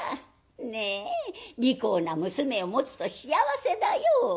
ねえ利口な娘を持つと幸せだよ。